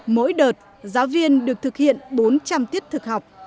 mỗi đợt giáo viên được thực hiện bốn trăm linh tiết thực học